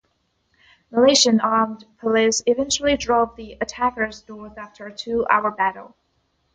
Malaysian armed police eventually drove the attackers north after a two-hour battle.